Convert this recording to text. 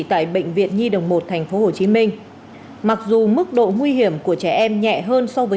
tại bệnh viện nhi đồng một thành phố hồ chí minh mặc dù mức độ nguy hiểm của trẻ em nhẹ hơn so với